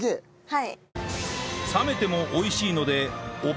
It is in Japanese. はい。